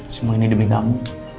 semua ini demi kamu